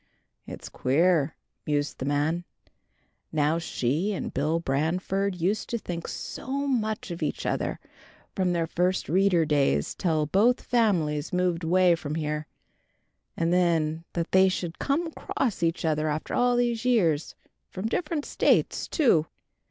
"It's queer," mused the man, "how she and Bill Branfield used to think so much of each other, from their First Reader days till both families moved away from here, and then that they should come across each other after all these years, from different states, too."